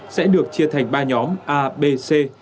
sẽ được chia thành ba nhóm a b c